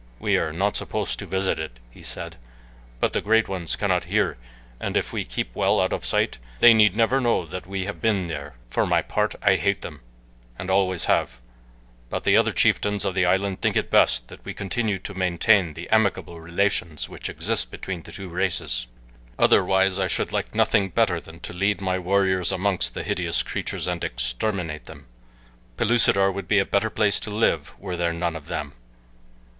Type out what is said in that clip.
"We are not supposed to visit it," he said; "but the great ones cannot hear and if we keep well out of sight they need never know that we have been there. For my part I hate them and always have, but the other chieftains of the island think it best that we continue to maintain the amicable relations which exist between the two races; otherwise I should like nothing better than to lead my warriors amongst the hideous creatures and exterminate them Pellucidar would be a better place to live were there none of them."